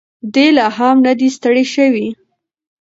دی لا هم نه دی ستړی شوی.